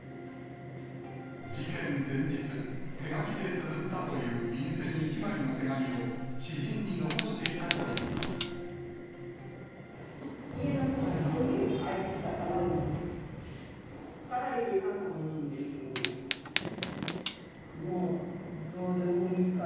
事件前日、手書きでつづったという便箋１枚の手紙を、知人に残していたとい家のポストに入ってたから。